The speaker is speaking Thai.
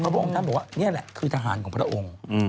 พระองค์ท่านบอกว่านี่แหละคือทหารของพระองค์